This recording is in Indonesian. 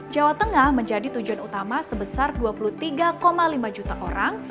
jawa tengah menjadi tujuan utama sebesar dua puluh tiga lima juta orang